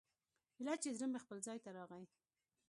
ايله چې زړه مې خپل ځاى ته راغى.